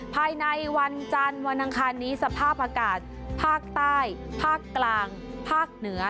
ภายในวันจันทร์วันอังคารนี้สภาพอากาศภาคใต้ภาคกลางภาคเหนือ